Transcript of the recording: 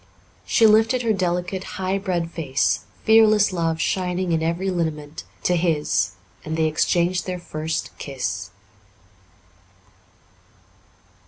She lifted her delicate, high bred face, fearless love shining in every lineament, to his, and they exchanged their first kiss.